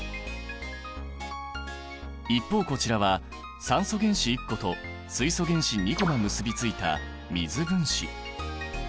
一方こちらは酸素原子１個と水素原子２個が結びついた水分子。